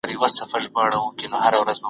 نظافت د ټولنې کلتور ښيي.